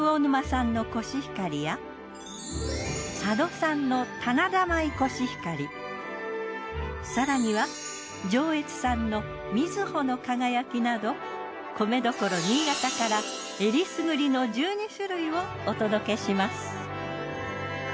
その他にも更には上越産のみずほの輝きなど米どころ新潟から選りすぐりの１２種類をお届けします。